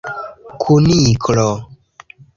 Kuniklo!